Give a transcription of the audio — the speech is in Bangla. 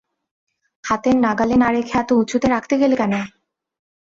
হাতের নাগালে না রেখে এত উঁচুতে রাখতে গেল কেন!